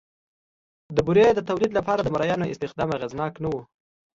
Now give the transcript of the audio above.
د بورې د تولید لپاره د مریانو استخدام اغېزناک نه و